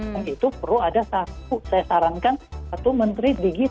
dan itu perlu ada satu saya sarankan satu menteri di sini